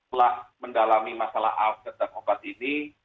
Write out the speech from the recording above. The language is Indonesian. saya terus terang setelah mendalami masalah alkes dan obat itu